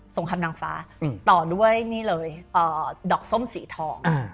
งครามนางฟ้าต่อด้วยนี่เลยดอกส้มสีทอง